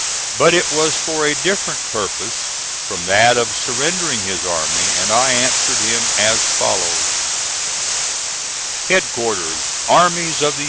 (*43) But it was for a different purpose from that of surrendering his army, and I answered him as follows: HEADQUARTERS ARMIES OF THE U.